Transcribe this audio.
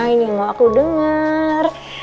ini mau aku dengar